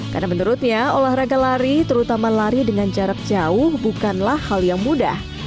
karena menurutnya olahraga lari terutama lari dengan jarak jauh bukanlah hal yang mudah